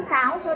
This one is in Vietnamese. để dạng các thải